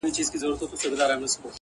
بلا بيده ښه وي، نه ويښه.